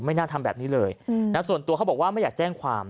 น่าทำแบบนี้เลยนะส่วนตัวเขาบอกว่าไม่อยากแจ้งความ